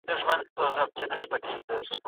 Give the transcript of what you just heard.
امکان سته چې نښې زیاتې سي.